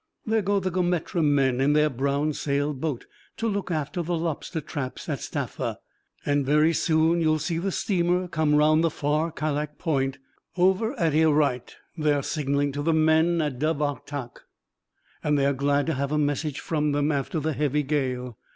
There go the Gometra men in their brown sailed boat to look after the lobster traps at Staffa, and very soon you will see the steamer come round the far Cailleach Point; over at Erraidh they are signaling to the men at Dubh Artach, and they are glad to have a message from them after the heavy gale.